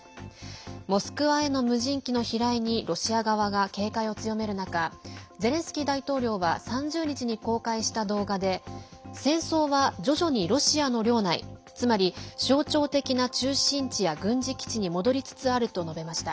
モスクワへの無人機の飛来にロシア側が警戒を強める中ゼレンスキー大統領は３０日に公開した動画で戦争は徐々にロシアの領内つまり、象徴的な中心地や軍事基地に戻りつつあると述べました。